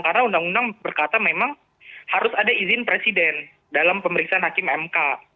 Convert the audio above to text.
karena undang undang berkata memang harus ada izin presiden dalam pemeriksaan hakim mk